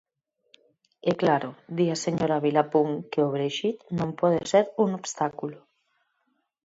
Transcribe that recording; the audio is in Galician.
E claro, di a señora Vilapún que o Brexit non pode ser un obstáculo.